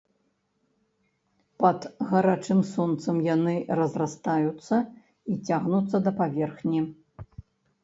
Пад гарачым сонцам яны разрастаюцца і цягнуцца да паверхні.